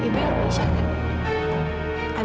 iba yang mainsya kan